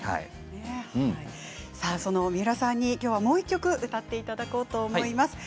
三浦さんにもう１曲歌っていただこうと思います。